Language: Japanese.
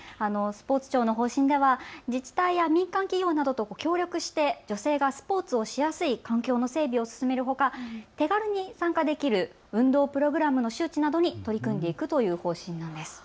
スポーツ庁の方針では自治体や民間企業などと協力して女性がスポーツをしやすい環境の整備を進めるほか手軽に参加できる運動プログラムの周知などに取り組んでいくという方針なんです。